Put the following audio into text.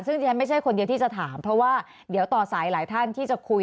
ซึ่งที่ฉันไม่ใช่คนเดียวที่จะถามเพราะว่าเดี๋ยวต่อสายหลายท่านที่จะคุย